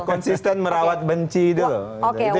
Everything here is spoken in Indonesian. konsisten merawat benci itu